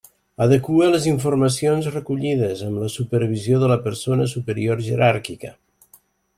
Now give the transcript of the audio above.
Adequa les informacions recollides, amb la supervisió de la persona superior jeràrquica.